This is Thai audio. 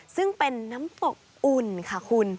ซึ่งเป็นน้ำตกอุ่นค่ะคุณ